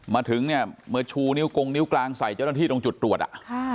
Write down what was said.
มาถึงเนี่ยมาชูนิ้วกงนิ้วกลางใส่เจ้าหน้าที่ตรงจุดตรวจ